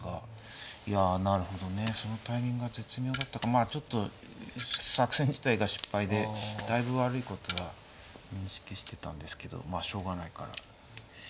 まあちょっと作戦自体が失敗でだいぶ悪いことは認識してたんですけどまあしょうがないから。